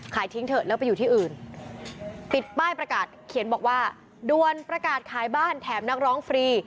ทิ้งเถอะแล้วไปอยู่ที่อื่นติดป้ายประกาศเขียนบอกว่าด้วนประกาศขายบ้านแถมนักร้องฟรี